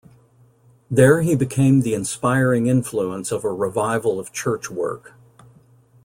There he became the inspiring influence of a revival of church work.